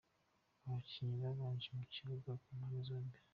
Abakinnyi babanje mu kibuga ku mpamde zombi.